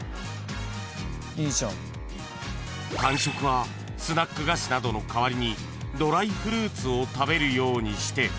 ［間食はスナック菓子などの代わりにドライフルーツを食べるようにして］